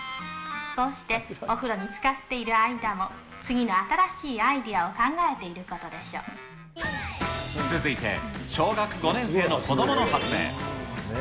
こうしてお風呂につかっている間も、次の新しいアイデアを考えて続いて、小学５年生の子どもの発明。